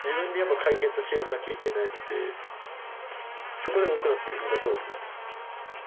そこで多くなってるんだと思います。